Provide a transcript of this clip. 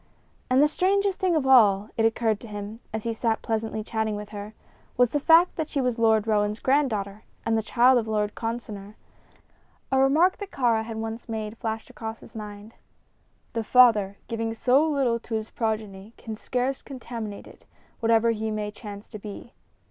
And the strangest thing of all, it occurred to him, as he sat pleasantly chatting with her, was the fact that she was Lord Roane's granddaughter and the child of Lord Consinor. A remark that Kāra had once made flashed across his mind: "The father, giving so little to his progeny, can scarce contaminate it, whatever he may chance to be."